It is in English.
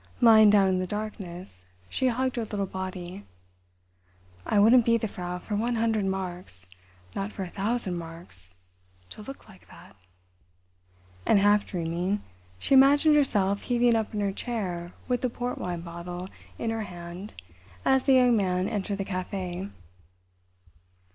Lying down in the darkness, she hugged her little body. "I wouldn't be the Frau for one hundred marks—not for a thousand marks. To look like that." And half dreaming, she imagined herself heaving up in her chair with the port wine bottle in her hand as the Young Man entered the café.